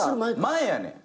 前やねん。